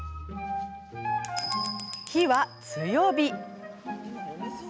火は、強火。